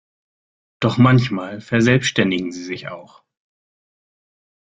Doch manchmal verselbständigen sie sich auch.